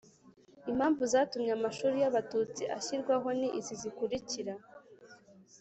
impamvu zatumye amashuri y'abatutsi ashyirwaho ni izi zikurikira